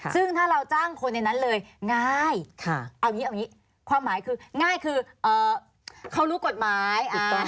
ซึ่งถ้าเราจ้างคนในนั้นเลยง่ายเอาอย่างนี้ความหมายคือง่ายคือเขารู้กฎหมาย